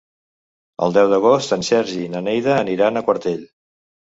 El deu d'agost en Sergi i na Neida aniran a Quartell.